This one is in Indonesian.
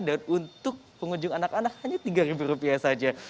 dan untuk pengunjung anak anak hanya rp tiga saja